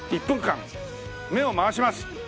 １分間目を回します。